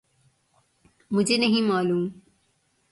مجھے نہیں معلوم